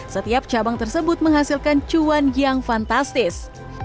setiap cabang tersebut menghasilkan cuan yang fantastis